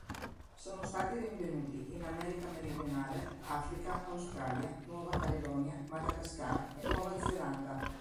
Sono stati rinvenuti in America meridionale, Africa, Australia, Nuova Caledonia, Madagascar e Nuova Zelanda.